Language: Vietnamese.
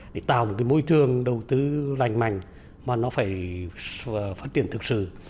để tạo một cái môi trường đầu tư lành mạnh mà nó phải phát triển thực sự